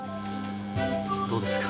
どうですか？